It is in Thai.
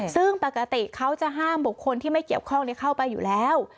ซึ่งปกติเขาจะห้ามบุคคลที่ไม่เกี่ยวข้องเข้าไปอยู่แล้ว